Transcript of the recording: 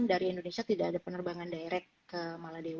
dari indonesia tidak ada penerbangan direct ke maladewa